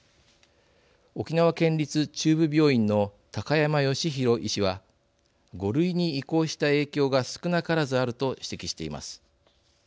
沖縄県立中部病院の高山義浩医師は５類に移行した影響が少なからずあると指摘しています。